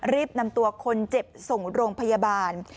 รีบนำตัวคนเจ็บส่งโรงพยาบาล